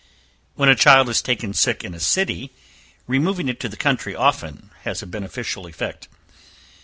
When a child is taken sick in a city, removing it to the country often has a beneficial effect.